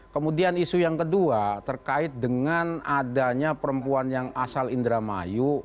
kemudian isu yang kedua terkait dengan adanya perempuan yang asal indramayu